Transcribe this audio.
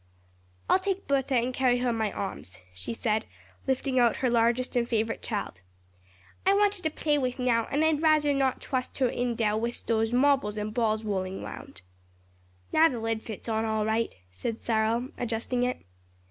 "I'll take Bertha and carry her in my arms," she said, lifting out her largest and favorite child. "I want her to play wis now and I'd raser not trust her in dere wis dose marbles and balls rollin' round." "Now the lid fits on all right," said Cyril, adjusting it.